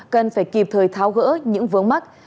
cần phải kịp thời tháo gỡ những vướng mắc